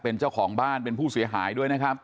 เป็นเจ้าของบ้านเป็นผู้เสียหายด้วยนะครับ